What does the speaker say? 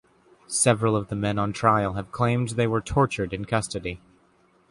Several of the men on trial have claimed they were tortured in custody.